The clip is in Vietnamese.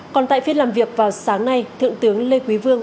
còn tại phiên làm việc vào sáng nay thượng tướng lê quý vương